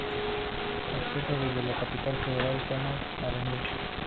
Acceso desde Capital Federal: tomar Av.